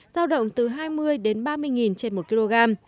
giao động từ hai mươi đến ba mươi nghìn trên một kg